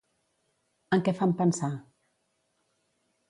En què fan pensar?